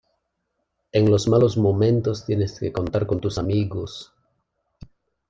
En los malos momentos tienes que contar con tus amigos.